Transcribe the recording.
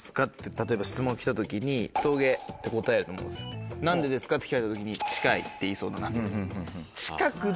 例えば質問が来た時に陶芸って答えると思うんです何でですか？って聞かれた時に近いって言いそうだな。